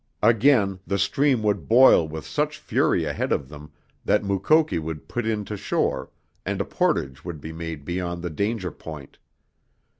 Again the stream would boil with such fury ahead of them that Mukoki would put in to shore, and a portage would be made beyond the danger point.